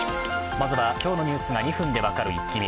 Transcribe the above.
まずは今日のニュースが２分で分かるイッキ見。